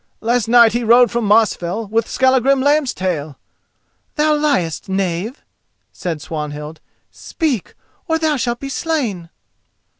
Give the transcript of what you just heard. Last night he rode from Mosfell with Skallagrim Lambstail." "Thou liest, knave," said Swanhild. "Speak, or thou shalt be slain."